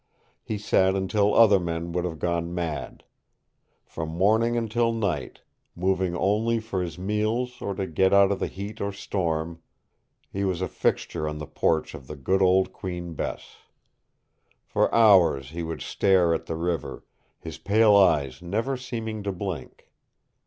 He sat until other men would have gone mad. From morning until night, moving only for his meals or to get out of heat or storm, he was a fixture on the porch of the Good Old Queen Bess. For hours he would stare at the river, his pale eyes never seeming to blink.